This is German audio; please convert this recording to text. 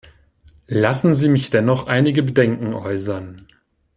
Lassen Sie mich dennoch einige Bedenken äußern.